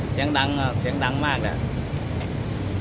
เสียงดังเสียงดังมากด้วย